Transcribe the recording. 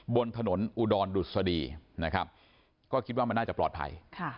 บนถนนอุดรดุษฎีนะครับก็คิดว่ามันน่าจะปลอดภัย